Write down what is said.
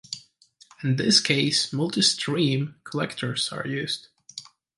In this case multi stream collectors are used.